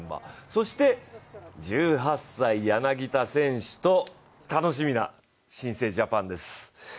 そして１８歳、柳田選手と楽しみな新生ジャパンです。